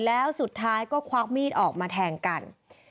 แล้วสุดท้ายก็ควักมีดออกมาแทงกัน